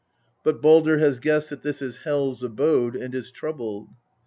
'But Baldr has guessed that this is Hel's abode, and is troubled.